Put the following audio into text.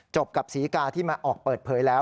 กับศรีกาที่มาออกเปิดเผยแล้ว